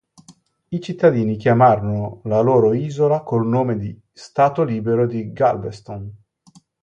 I cittadini chiamarono la loro isola col nome di "Stato libero di Galveston".